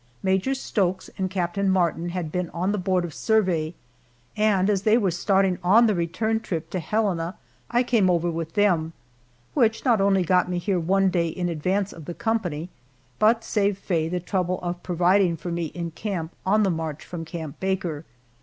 Major Stokes and Captain Martin had been on the board of survey, and as they were starting on the return trip to Helena, I came over with them, which not only got me here one day in advance of the company, but saved Faye the trouble of providing for me in camp on the march from Camp Baker.